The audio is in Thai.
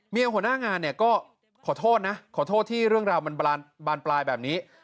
หัวหน้างานเนี่ยก็ขอโทษนะขอโทษที่เรื่องราวมันบานปลายแบบนี้